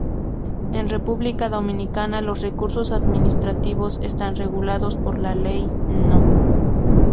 En República Dominicana, los recursos administrativos están regulados por la Ley No.